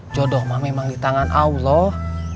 jodoh mah memang di tangan allah